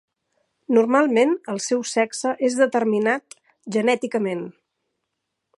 Normalment el seu sexe és determinat genèticament.